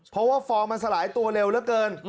เพราะว่าฟองมันสลายตัวเร็วเหลือเกิน